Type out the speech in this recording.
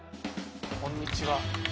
こんにちは。